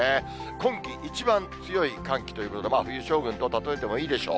今季一番強い寒気ということで、冬将軍と例えてもいいでしょう。